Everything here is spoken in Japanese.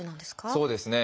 そうですね。